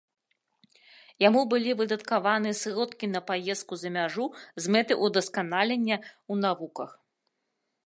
Яму былі выдаткаваны сродкі на паездку за мяжу з мэтай удасканалення ў навуках.